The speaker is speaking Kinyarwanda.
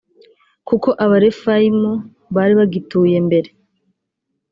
kuko abarefayimu bari bagituye mbere